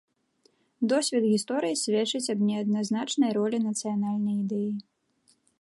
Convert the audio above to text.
Досвед гісторыі сведчыць аб неадназначнай ролі нацыянальная ідэі.